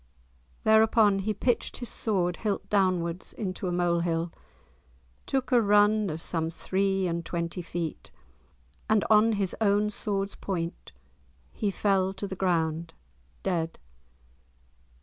Thereupon he pitched his sword hilt downwards into a mole hill, took a run of some three and twenty feet, and on his own sword's point he fell to the ground dead.